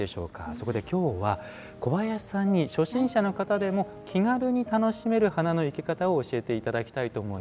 そこで、今日は小林さんに初心者の方でも気軽に楽しめる花の生け方を教えていただきます。